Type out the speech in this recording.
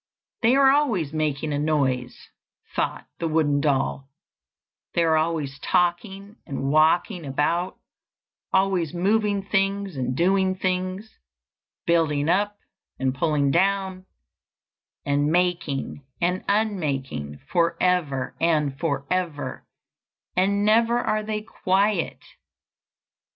"They are always making a noise," thought the wooden doll; "they are always talking and walking about, always moving things and doing things, building up and pulling down, and making and unmaking for ever and for ever, and never are they quiet.